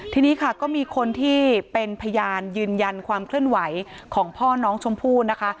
ทีนี้ค่ะก็มีคนที่เป็นพยานยืนยันความเคลื่อนไหวของพ่อน้องชมพู่นะคะ